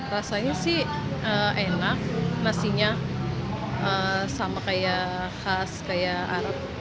rasanya sih enak nasinya sama khas arab